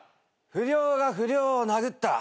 不良が不良を殴った。